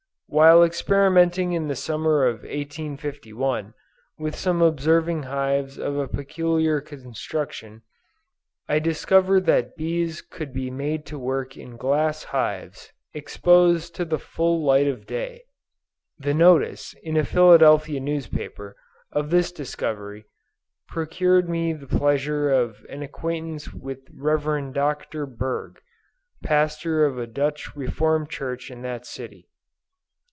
While experimenting in the summer of 1851, with some observing hives of a peculiar construction, I discovered that bees could be made to work in glass hives, exposed to the full light of day. The notice, in a Philadelphia newspaper, of this discovery, procured me the pleasure of an acquaintance with Rev. Dr. Berg, pastor of a Dutch Reformed church in that city.